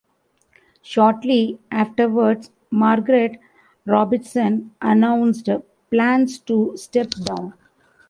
Shortly afterwards, Margaret Robertson announced plans to step down.